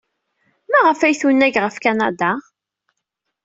Maɣef ay tunag ɣef Kanada?